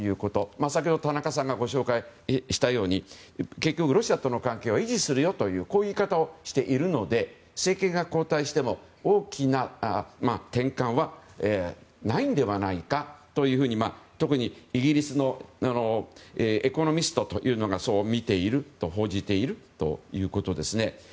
先ほど田中さんがご紹介したように結局、ロシアとの関係は維持するよとこういう言い方をしているので政権が交代しても大きな転換はないのではないかと特にイギリスの「エコノミスト」というのがそう見ていると報じているということですね。